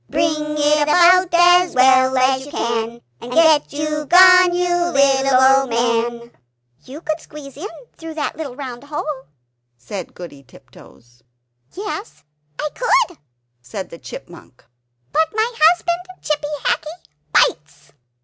Bring it about as well as you can, And get you gone, you little old man!" "You could squeeze in, through that little round hole," said Goody Tiptoes. "Yes, I could," said the Chipmunk, "but my husband, Chippy Hackee, bites!"